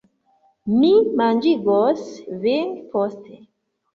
Mi manĝigos vin poste